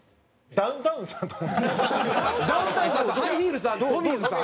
ダウンタウンさんとハイヒールさんトミーズさん？